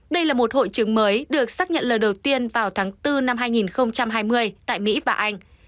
đây là một hội chứng mới được xác nhận lần đầu tiên vào tháng bốn năm hai nghìn hai mươi tại mỹ và anh